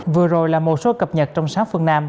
vừa rồi là một số cập nhật trong sáng phương nam